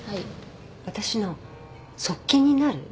私の側近になる？